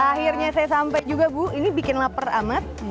akhirnya saya sampai juga bu ini bikin lapar amat